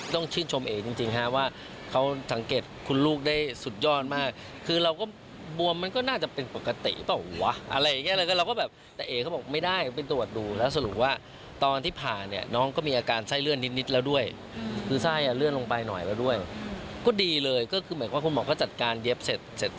ต้องชื่นชมเอกจริงจริงฮะว่าเขาสังเกตคุณลูกได้สุดยอดมากคือเราก็บวมมันก็น่าจะเป็นปกติเปล่าวะอะไรอย่างเงี้แล้วก็เราก็แบบแต่เอ๋เขาบอกไม่ได้ไปตรวจดูแล้วสรุปว่าตอนที่ผ่าเนี่ยน้องก็มีอาการไส้เลื่อนนิดนิดแล้วด้วยคือไส้อ่ะเลื่อนลงไปหน่อยแล้วด้วยก็ดีเลยก็คือเหมือนว่าคุณหมอก็จัดการเย็บเสร็จ